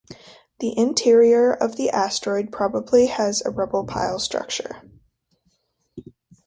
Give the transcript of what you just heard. The interior of the asteroid probably has a rubble-pile structure.